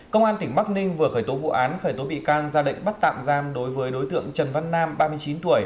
công an tỉnh bắc ninh vừa khởi tố vụ án khởi tố bị can ra lệnh bắt tạm giam đối với đối tượng trần văn nam ba mươi chín tuổi